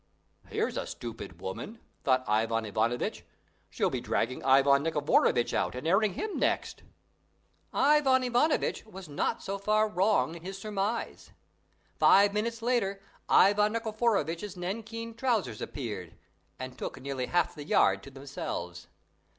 "Here's a stupid woman," thought Ivan Ivanovitch. "She'll be dragging Ivan Nikiforovitch out and airing him next." Ivan Ivanovitch was not so far wrong in his surmise. Five minutes later, Ivan Nikiforovitch's nankeen trousers appeared, and took nearly half the yard to themselves.